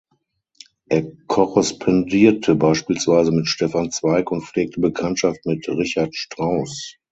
Er korrespondierte beispielsweise mit Stefan Zweig und pflegte Bekanntschaft mit Richard Strauss.